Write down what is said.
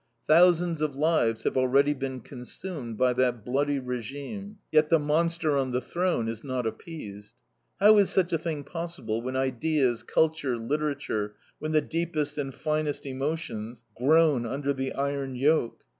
Thousands of lives have already been consumed by that bloody regime, yet the monster on the throne is not appeased. How is such a thing possible when ideas, culture, literature, when the deepest and finest emotions groan under the iron yoke?